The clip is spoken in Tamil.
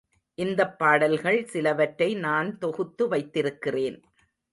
இந்தப் பாடல்கள் சிலவற்றை நான் தொகுத்து வைத்திருக்கிறேன்.